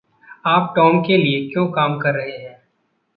आप टॉम के लिये क्यों काम कर रहे हैं?